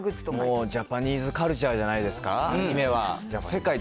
もうジャパニーズカルチャーじゃないですか？